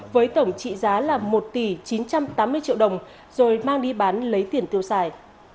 với tổng trị giá là một tỷ chín trăm tám mươi triệu đồng rồi mang đi bán lấy tiền tiêu xài